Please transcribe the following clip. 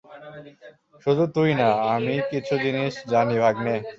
শুধু তুই না, আমিও কিছু জিনিস জানি, ভাগ্নে।